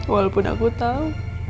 walaupun aku tahu